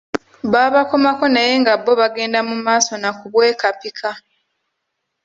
Baabakomako naye nga bo bagenda mu maaso na kubwekapika.